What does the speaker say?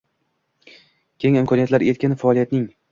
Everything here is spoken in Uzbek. Keng imkoniyat, erkin faoliyatng